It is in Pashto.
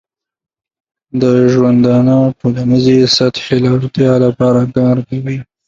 د ژوندانه ټولنیزې سطحې لوړتیا لپاره کار کوي.